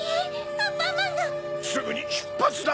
アンパンマンが・・すぐにしゅっぱつだ！